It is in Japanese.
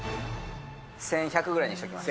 １１００ぐらいにしときます。